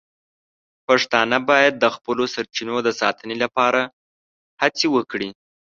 پښتانه باید د خپلو سرچینو د ساتنې لپاره هڅې وکړي.